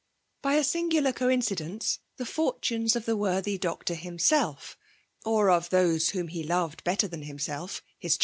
By a singular. coiDcidence> the fortunes of the worthy doctor himsdf, or of those whom ha loved better than, himself his.